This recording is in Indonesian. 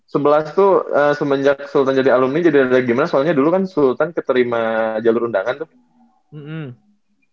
sma sebelas tuh semenjak sultan jadi alumni jadi agak gimana soalnya dulu kan sultan keterima jalur undangan tuh